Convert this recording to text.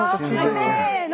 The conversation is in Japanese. せの！